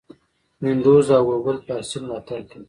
وینډوز او ګوګل فارسي ملاتړ کوي.